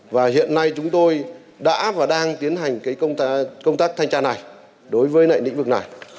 và hiện nay chúng tôi đã và đang tiến hành công tác thanh tra này đối với lĩnh vực này